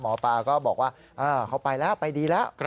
หมอปลาก็บอกว่าเขาไปแล้วไปดีแล้ว